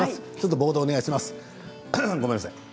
ボードをお願いします。